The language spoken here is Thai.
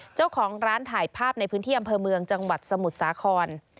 เจ้าของร้านถ่ายภาพในพื้นที่อำเภอเมืองจังหวัดสมุทรสาคร